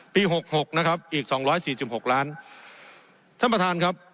หกหกนะครับอีกสองร้อยสี่สิบหกล้านท่านประธานครับ